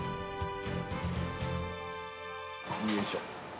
よいしょ。